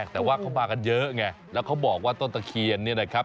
แต่ว่าเขามากันเยอะไงแล้วเขาบอกว่าต้นตะเคียนเนี่ยนะครับ